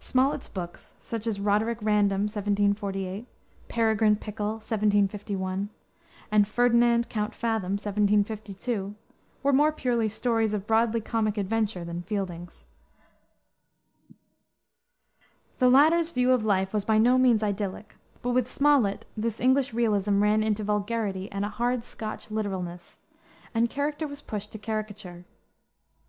Smollett's books, such as Roderick Random, 1748, Peregrine Pickle, 1751, and Ferdinand Count Fathom, 1752, were more purely stories of broadly comic adventure than Fielding's. The latter's view of life was by no means idyllic; but with Smollett this English realism ran into vulgarity and a hard Scotch literalness, and character was pushed to caricature.